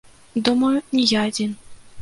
Думаю, не я адзін.